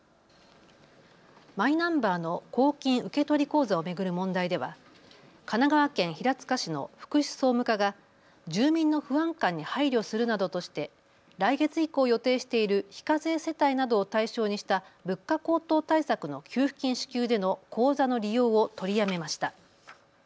マイナンバーの公金受取口座を巡る問題では神奈川県平塚市の福祉総務課が住民の不安感に配慮するなどとして来月以降予定している非課税世帯などを対象にした物価高騰対策の給付金支給での口座の利用を取りやめました。